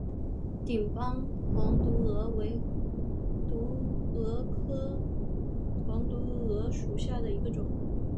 顶斑黄毒蛾为毒蛾科黄毒蛾属下的一个种。